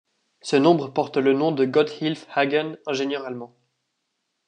Ce nombre porte le nom de Gotthilf Hagen, ingénieur allemand.